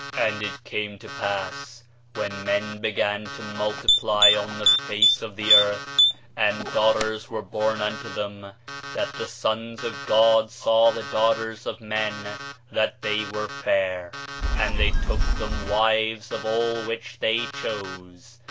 "And it came to pass, when men began to multiply on the face of the earth, and daughters were born unto them, that the sons of God saw the daughters of men that they were fair; and they took them wives of all which they chose.